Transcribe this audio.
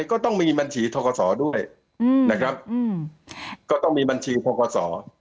ก็ต้องมีบัญชีทกศด้วยนะครับก็ต้องมีบัญชีพกศ